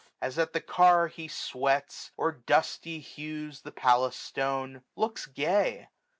As at the car he sweats, or dusty hews The palace stone, looks gay.